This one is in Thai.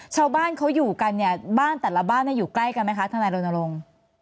ชาวบ้านเขาอยู่กันเนี่ยบ้านแต่ละบ้านอยู่ใกล้กันไหมคะทนายรณรงค์